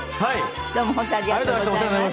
どうも本当ありがとうございました。